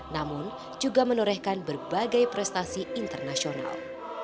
namun juga menorehkan berbagai prestasi internasional